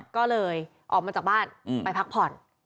ก็เลยออกมาจากบ้านไปพักผ่อน